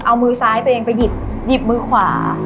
เอามือซ้ายไปหลบช่วงมือขวา